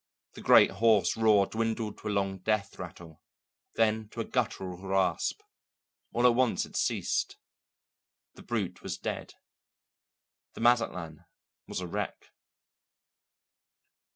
The great hoarse roar dwindled to a long death rattle, then to a guttural rasp; all at once it ceased; the brute was dead the Mazatlan was a wreck.